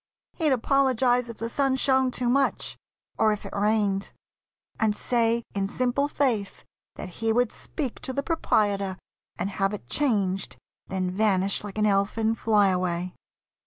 He'd apologise If the sun shone too much, or if it rained, And say in simple faith that he would speak To the proprietor and have it changed, Then vanish like an elfin fly away.